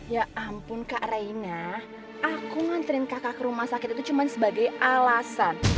ya ampun kak raina aku nganterin kakak ke rumah sakit itu cuma sebagai alasan